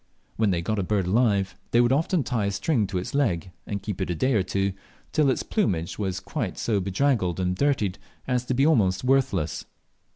When they got a bird alive they would often tie a string to its leg, and keep it a day or two, till its plumage was so draggled and dirtied as to be almost worthless.